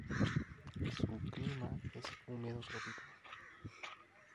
Su clima es húmedo tropical.